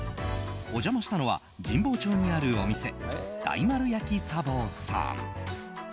お邪魔したのは神保町にあるお店大丸やき茶房さん。